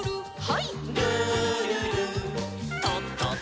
はい。